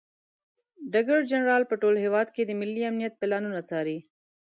ډګر جنرال په ټول هیواد کې د ملي امنیت پلانونه څاري.